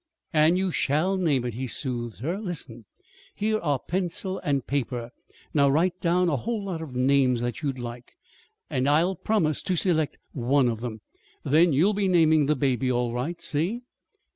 "And you shall name it," he soothed her. "Listen! Here are pencil and paper. Now, write down a whole lot of names that you'd like, and I'll promise to select one of them. Then you'll be naming the baby all right. See?"